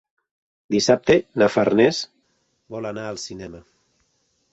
Dissabte na Farners vol anar al cinema.